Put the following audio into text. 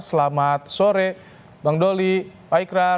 selamat sore bang doli pak ikrar